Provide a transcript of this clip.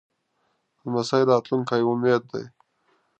لمسی د راتلونکي امید دی.